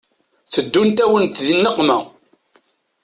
Teddunt-awent di nneqma.